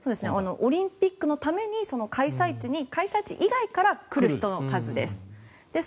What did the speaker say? オリンピックのために開催地に開催地以外から来る人の数です。